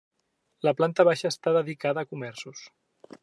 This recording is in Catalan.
La planta baixa està dedicada a comerços.